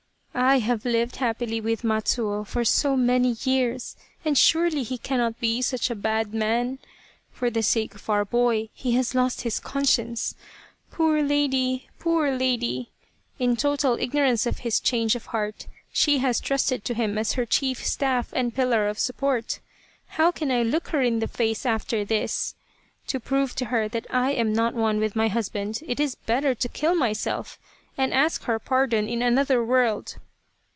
" I have lived happily with Matsuo for so many years, and surely he cannot be such a bad man. For the sake of our boy he has lost his conscience. Poor lady ! Poor lady ! In total ignorance of his change of heart she has trusted to him as her chief staff and pillar of support. How can I look her in the face after this ? To prove to her that I am not one with my husband it is better to kill myself and ask her pardon in another world."